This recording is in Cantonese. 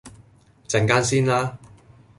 陣間先啦